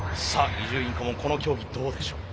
伊集院顧問この競技どうでしょう。